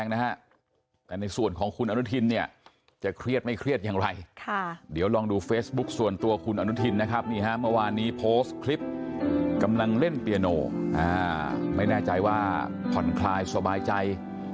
เพราะฉะนั้นเราก็ต้องให้กำลังใจคนที่กำลังจัดรัฐบาลอยู่ให้ประสบความสำเร็จถ้าเขาทำได้